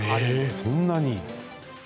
そんなに。